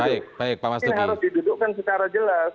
ini harus didudukkan secara jelas